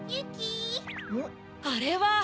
・あれは！